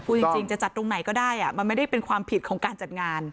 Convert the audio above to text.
จริงจะจัดตรงไหนก็ได้มันไม่ได้เป็นความผิดของการจัดงาน